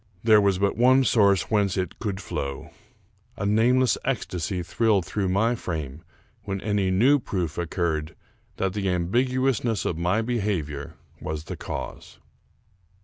There was but one source whence it could flow. A nameless ecstasy thrilled 248 Charles Brockdcn Brown through my frame when any new proof occurred that the ambiguousness of my behavior was the cause.